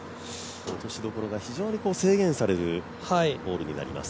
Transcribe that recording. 落としどころが非常に制限されるホールになります。